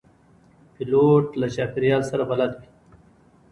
پیلوټ له چاپېریال سره بلد وي.